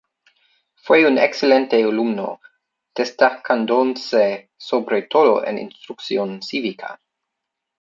Fue un excelente alumno, destacándose sobre todo en Instrucción Cívica.